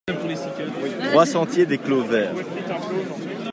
trois sentier des Clos Vert